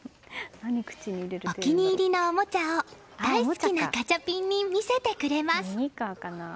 お気に入りのおもちゃを大好きなガチャピンに見せてくれます。